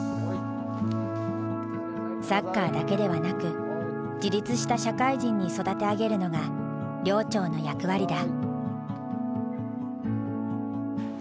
サッカーだけではなく自立した社会人に育て上げるのが寮長の役割だ。